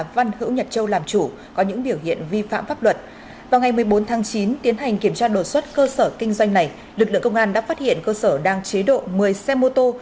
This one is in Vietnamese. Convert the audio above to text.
vào ngày một mươi bốn tháng chín tiến hành kiểm tra đột xuất cơ sở kinh doanh này lực lượng công an đã phát hiện cơ sở đang chế độ một mươi xe mô tô